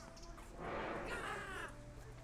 El demonio tomó el cuerpo de la joven hechicera Selena.